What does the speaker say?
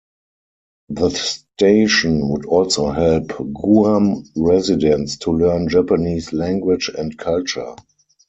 The station would also help Guam residents to learn Japanese language and culture.